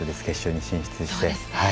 決勝に進出できて。